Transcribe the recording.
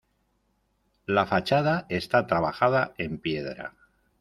La fachada está trabajada en piedra.